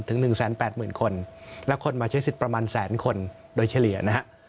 ถึง๑๘๐๐๐คนและคนมาใช้สิทธิ์ประมาณแสนคนโดยเฉลี่ยนะฮะ